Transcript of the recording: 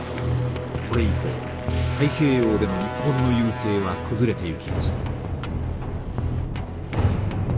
これ以降太平洋での日本の優勢は崩れていきました。